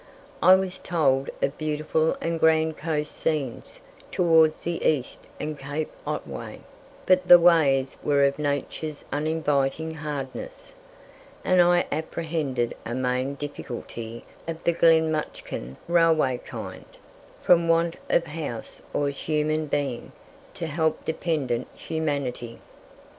I was told of beautiful and grand coast scenes towards the east and Cape Otway; but the ways were of Nature's uninviting hardness, and I apprehended a main difficulty of the Glenmutchkin Railway kind, from want of house or human being to help dependent humanity.